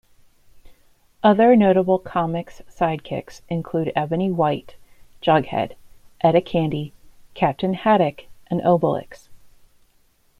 Other notable comics sidekicks include Ebony White, Jughead, Etta Candy, Captain Haddock, and Obelix.